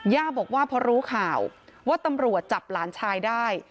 ย่าบอกว่าพอรู้ข่าวว่าตำรวจจับหลานชายได้